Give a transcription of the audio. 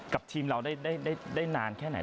กับทีมเราได้นานแค่ไหน